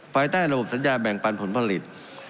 ภายใต้ระบบสัญญาแบ่งปันผลผลิต